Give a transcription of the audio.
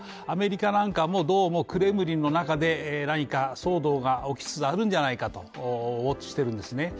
アメリカなんかもどうもクレムリンの中で何か騒動が起きつつあるんじゃないかとウォッチしているんですね。